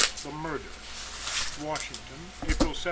THE MURDER. Washington, April 17.